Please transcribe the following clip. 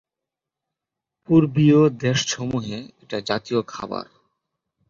পূর্বীয় দেশসমূহে এটা জাতীয় খাবার।